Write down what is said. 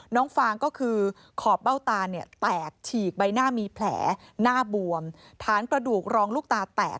ฟางก็คือขอบเบ้าตาเนี่ยแตกฉีกใบหน้ามีแผลหน้าบวมฐานกระดูกรองลูกตาแตก